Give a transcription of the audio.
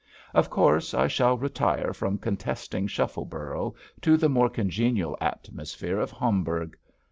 Of course I shall retire from contesting Shuffleborough to the more congenial atmosphere of Homburg.